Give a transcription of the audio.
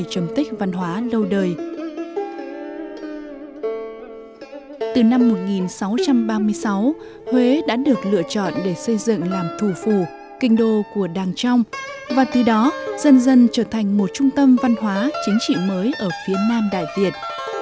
từ năm một nghìn sáu trăm ba mươi sáu huế đã được lựa chọn để xây dựng làm thủ phủ kinh đô của đàng trong và từ đó dần dần trở thành một trung tâm văn hóa chính trị mới ở phía nam đại việt